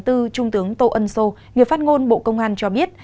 trung tướng tô ân sô người phát ngôn bộ công an cho biết